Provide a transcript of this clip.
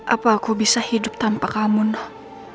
apa aku bisa hidup tanpa kamu